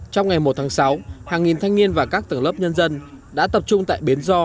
trong ngày một tháng sáu hàng nghìn thanh niên và các tầng lớp nhân dân đã tập trung tại bến do